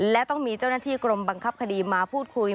และต้องมีเจ้าหน้าที่กรมบังคับคดีมาพูดคุย